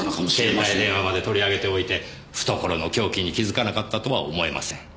携帯電話まで取り上げておいて懐の凶器に気づかなかったとは思えません。